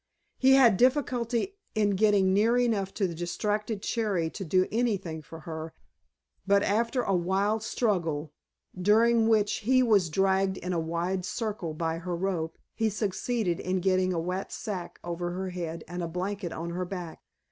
He had difficulty in getting near enough to the distracted Cherry to do anything for her, but after a wild struggle, during which he was dragged in a wide circle by her rope, he succeeded in getting a wet sack over her head and a blanket on her back.